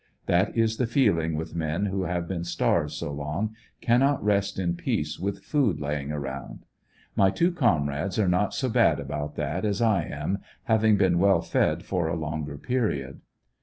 That is the feeling with men who have been starved so long, cannot rest in peace with food laying around. My two comrades are not so bad about that as I am, having been well fed for a longer period.